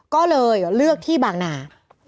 ก็เลยเลือกที่บางนา